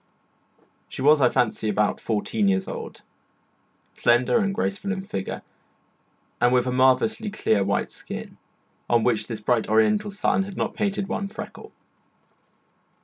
She was, I fancy, about fourteen years old, slender and graceful in figure, and with a marvellously clear white skin, on which this bright Oriental sun had not painted one freckle.